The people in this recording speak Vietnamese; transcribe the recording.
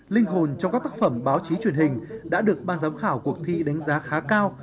linh hồn trong các tác phẩm báo chí truyền hình đã được ban giám khảo cuộc thi đánh giá khá cao